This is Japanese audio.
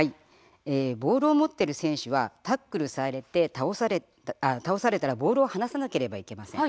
ボールを持っている選手はタックルされて倒されたらボールを離さなければいけません。